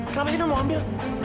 kenapa sih do mau ambil